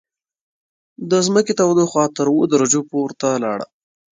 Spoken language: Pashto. د ځمکې تودوخه تر اووه درجو پورته لاړه.